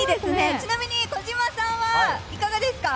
ちなみに児嶋さんはいかがですか？